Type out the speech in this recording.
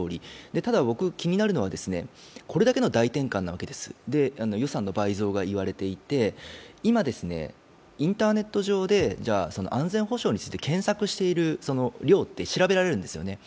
ただ僕気になるのはこれだけの大転換なわけです、予算の倍増がいわれていて今、インターネット上で安全保障について検索している量って調べられるんですよね。